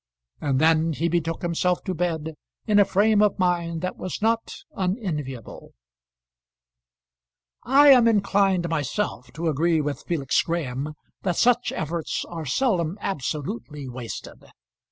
And then he betook himself to bed in a frame of mind that was not unenviable. [Illustration: Von Bauhr's Dream.] I am inclined, myself, to agree with Felix Graham that such efforts are seldom absolutely wasted.